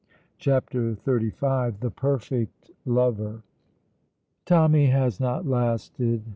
CHAPTER XXXV THE PERFECT LOVER Tommy has not lasted.